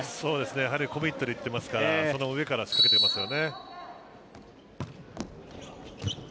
やはりコミットでいっていますからその上から仕掛けていますよね。